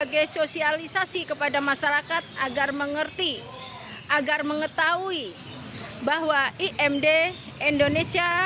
sebagai sosialisasi kepada masyarakat agar mengerti agar mengetahui bahwa imd indonesia